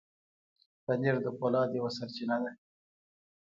پنېر د فولاد یوه سرچینه ده.